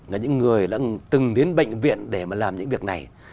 là những người đã từng đến bệnh viện để mà làm những việc này